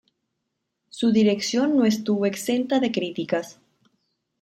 Su dirección no estuvo exenta de críticas.